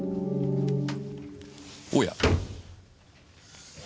おや。